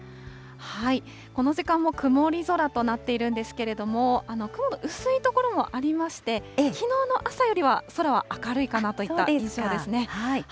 この時間も曇り空となっているんですけれども、雲薄い所もありまして、きのうの朝よりは空は明るいかなといった印象ですね。